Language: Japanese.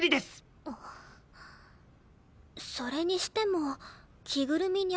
それにしても着ぐるみにゃ